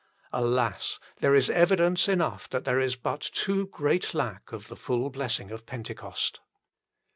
Alas ! there is evidence enough that there is but too great lack of the full blessing of Pentecost.